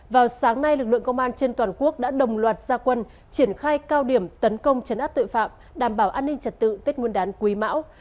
vào sáng nay lực lượng công an trên toàn quốc đã đồng loạt gia quân triển khai cao điểm tấn công chấn áp tội phạm đảm bảo an ninh trật tự tết nguyên đán quý mão